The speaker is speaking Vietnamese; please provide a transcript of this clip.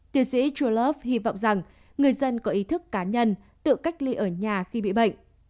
tiến sĩ chulove hy vọng rằng người dân có ý thức cá nhân tự cách ly ở nhà khi bị bệnh